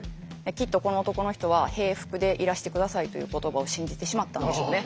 きっとこの男の人は平服でいらしてくださいという言葉を信じてしまったんでしょうね。